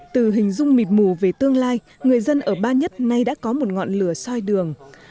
từ hình dung mịt mù về tương lai người dân ở ba nhất nay đã có một ngọn lửa soi đường